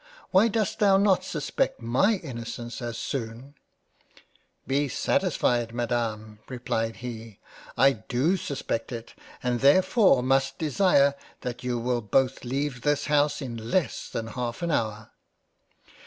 Why dost thou not suspect my innocence as soon ?"" Be satisfied Madam (replied he) I do suspect* it, and therefore must desire that you will both leave this House in less than half an hour."